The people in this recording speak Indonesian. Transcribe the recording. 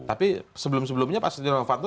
tapi sebelum sebelumnya pak stiano vanto